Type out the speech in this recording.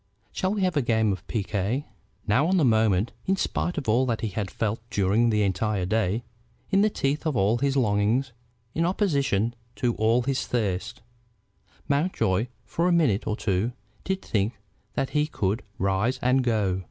Shall we have a game of piquet?" Now on the moment, in spite of all that he had felt during the entire day, in the teeth of all his longings, in opposition to all his thirst, Mountjoy for a minute or two did think that he could rise and go.